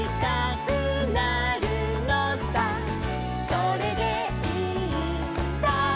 「それでいいんだ」